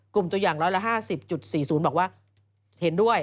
ตัวอย่าง๑๕๐๔๐บอกว่าเห็นด้วย